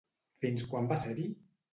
Fins quan va ser-hi?